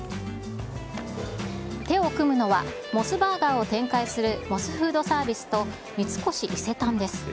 手を組むのは、モスバーガーを展開するモスフードサービスと三越伊勢丹です。